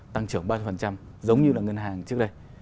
tăng trưởng ba mươi giống như là ngân hàng trước đây